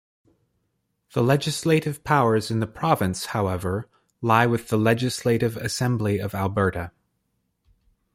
The legislative powers in the province however, lie with the Legislative Assembly of Alberta.